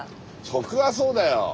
食はそうだよ。